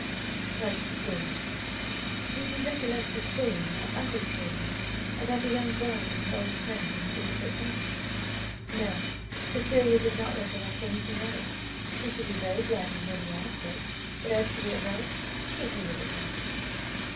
cried Cecilia. "Do you recollect the story my uncle told us about the young bride and her old friend, and the bit of advice?" No, Cecilia did not recollect any thing of it. She should be very glad to hear the anecdote, but as to the advice, she hated advice.